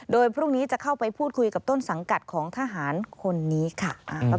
โดยพรุ่งนี้จะเข้าไปพูดคุยกับต้นสังกัดของทหารคนนี้ค่ะ